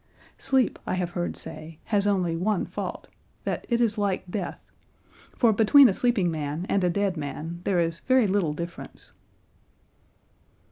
Sleep, I have heard say, has only one fault, that it is like death; for between a sleeping man and a dead man there is very little difference."